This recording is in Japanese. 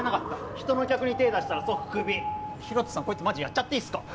人の客に手出したら即クビヒロトさんこいつマジやっちゃっていいっすか？